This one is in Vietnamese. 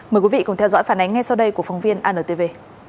mời quý vị cùng theo dõi phản ánh ngay sau đây của phóng viên antv